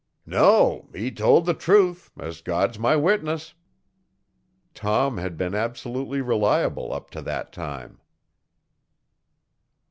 'No. He told the truth, as God's my witness.' Tom had been absolutely reliable up to that time.